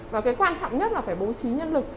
và cái quan trọng nhất là phải bố trí nhân lực